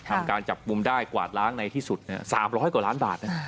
ทำการจับกลุ่มได้กวาดล้างในที่สุด๓๐๐กว่าล้านบาทนะ